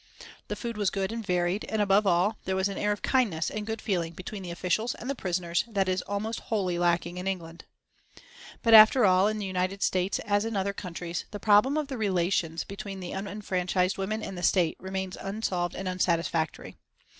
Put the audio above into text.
The food was good and varied, and above all there was an air of kindness and good feeling between the officials and the prisoners that is almost wholly lacking in England. But, after all, in the United States as in other countries, the problem of the relations between unfranchised women and the State remains unsolved and unsatisfactory.